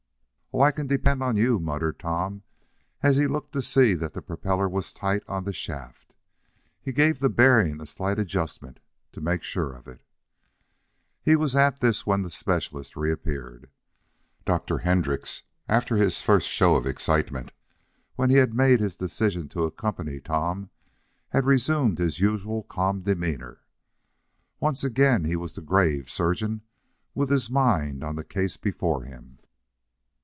"Oh, I can depend on you!" murmured Tom, as he looked to see that the propeller was tight on the shaft. He gave the bearing a slight adjustment to make sure of it. He was at this when the specialist reappeared. Dr. Hendrix, after his first show of excitement, when he had made his decision to accompany Tom, had resumed his usual calm demeanor. Once again he was the grave surgeon, with his mind on the case before him.